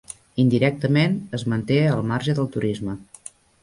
Indirectament, es manté al marge del turisme.